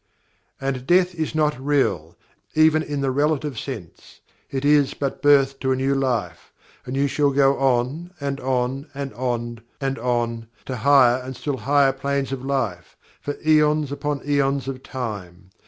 And Death is not real, even in the Relative sense it is but Birth to a new life and You shall go on, and on, and on, to higher and still higher planes of life, for aeons upon aeons of time.